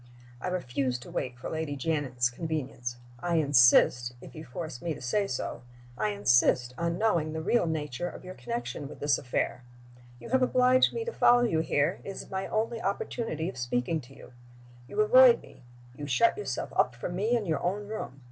I refuse to wait for Lady Janet's convenience. I insist (if you force me to say so) I insist on knowing the real nature of your connection with this affair. You have obliged me to follow you here; it is my only opportunity of speaking to you. You avoid me; you shut yourself up from me in your own room.